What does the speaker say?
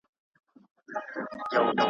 وارخطا دوکانداران او تاجران ول `